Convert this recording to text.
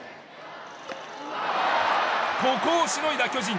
ここをしのいだ巨人。